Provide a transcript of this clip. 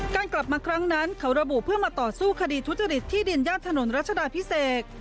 กลับมาครั้งนั้นเขาระบุเพื่อมาต่อสู้คดีทุจริตที่ดินย่านถนนรัชดาพิเศษ